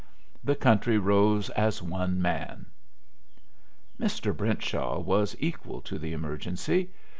The country rose as one man! Mr. Brentshaw was equal to the emergency.